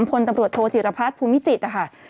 พตโธจิตรพรรษภูมิจิต